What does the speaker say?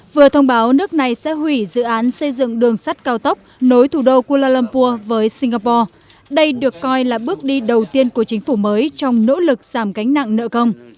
vừa thông báo nước này sẽ hủy dự án xây dựng đường sắt cao tốc nối thủ đô kuala lumpur với singapore đây được coi là bước đi đầu tiên của chính phủ mới trong nỗ lực giảm cánh nặng nợ công